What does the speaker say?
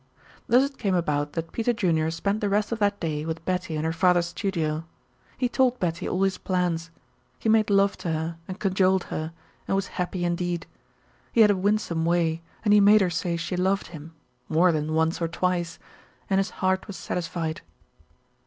Thus it came about that Peter Junior spent the rest of that day with Betty in her father's studio. He told Betty all his plans. He made love to her and cajoled her, and was happy indeed. He had a winsome way, and he made her say she loved him more than once or twice and his heart was satisfied.